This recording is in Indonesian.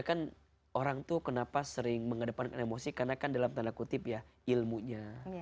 kan orang tuh kenapa sering mengedepankan emosi karena kan dalam tanda kutip ya ilmunya